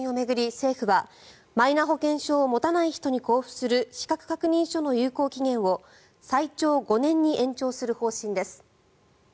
政府はマイナ保険証を持たない人に交付する資格確認書の有効期限を最長５年に延長する方針です。